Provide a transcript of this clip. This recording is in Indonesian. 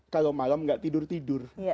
kalau malam tidak tidur tidur